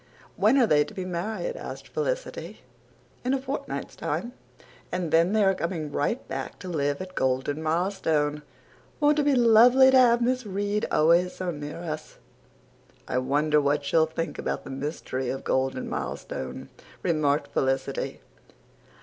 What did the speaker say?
"When are they to be married?" asked Felicity. "In a fortnight's time. And then they are coming right back to live at Golden Milestone. Won't it be lovely to have Miss Reade always so near us?" "I wonder what she'll think about the mystery of Golden Milestone," remarked Felicity.